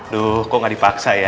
duh kok gak dipaksa ya